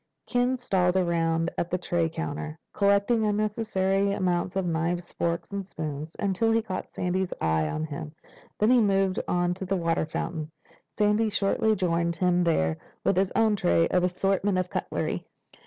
Ken stalled around at the tray counter, collecting an unnecessary amount of knives, forks, and spoons, until he caught Sandy's eye on him. Then he moved on to the water fountain. Sandy shortly joined him there with his own tray and an assortment of cutlery.